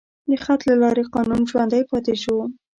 د خط له لارې قانون ژوندی پاتې شو.